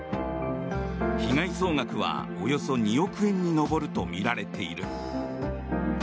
被害総額はおよそ２億円に上るとみられている。